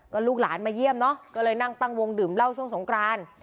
ก็ลูกหลานมาเยี่ยมเนอะก็เลยนั่งตั้งวงดื่มเหล้าช่วงสงกราน